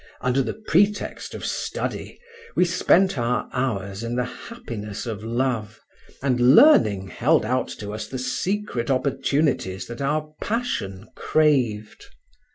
Under the pretext of study we spent our hours in the happiness of love, and learning held out to us the secret opportunities that our passion craved.